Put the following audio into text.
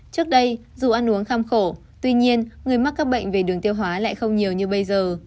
trước đây dù ăn uống khăm khổ tuy nhiên người mắc các bệnh về đường tiêu hóa lại không nhiều như bây giờ